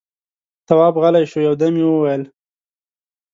تواب غلی شو، يودم يې وويل: